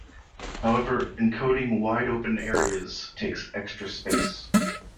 However, encoding wide-open areas takes extra space.